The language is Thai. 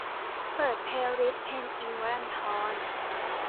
เปิดเพลย์ลิสต์เพลงอิ๊งค์ วรันธร